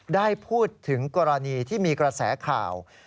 ได้พูดถึงกรณีที่มีกระแสข่าว